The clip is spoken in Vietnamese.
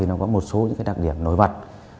nó có một số đặc điểm nổi bật